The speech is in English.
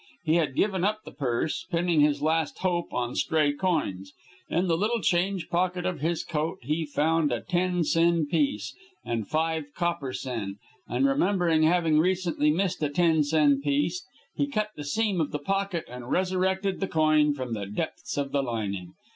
He had given up the purse, pinning his last hope on stray coins. In the little change pocket of his coat he found a ten sen piece and five copper sen; and remembering having recently missed a ten sen piece, he cut the seam of the pocket and resurrected the coin from the depths of the lining.